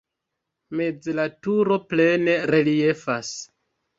Meze la turo plene reliefas.